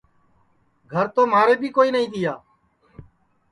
گھر تو مھارے بی کوئی نائی تیا